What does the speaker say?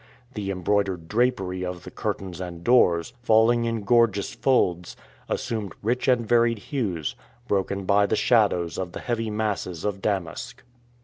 The embroidered drapery of the curtains and doors, falling in gorgeous folds, assumed rich and varied hues, broken by the shadows of the heavy masses of damask.